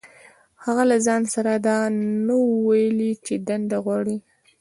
هغه له ځان سره دا نه وو ويلي چې دنده غواړي.